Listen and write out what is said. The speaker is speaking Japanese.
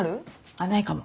あっないかも。